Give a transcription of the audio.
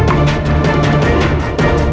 bangun nak bangun